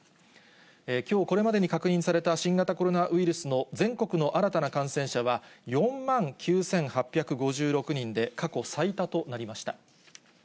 きょう、これまでに確認された新型コロナウイルスの全国の新たな感染者は、４万９８５６人で、過去最多となりました。